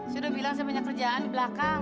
sudah bilang saya punya kerjaan di belakang